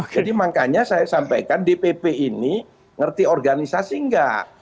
jadi makanya saya sampaikan dpp ini ngerti organisasi enggak